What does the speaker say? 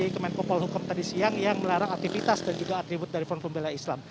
kemenkopol hukam tadi siang yang melarang aktivitas dan juga atribut dari front pembela islam